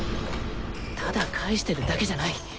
ただ返してるだけじゃない。